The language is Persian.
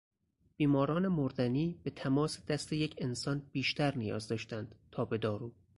بیماران مردنی به تماس دست یک انسان بیشتر نیاز داشتند تا به دارو.